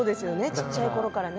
小っちゃいころからね。